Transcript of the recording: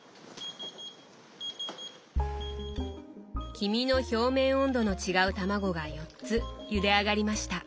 黄身の表面温度の違うたまごが４つゆで上がりました。